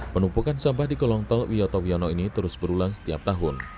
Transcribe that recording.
penumpukan sampah di kolong tol wiyoto wiono ini terus berulang setiap tahun